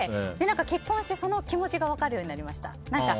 結婚してその気持ちが分かるようになりました。